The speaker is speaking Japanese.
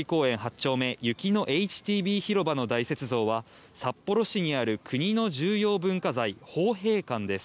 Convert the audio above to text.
丁目雪のＨＴＢ広場の雪像は札幌市にある国の重要文化財豊平館です。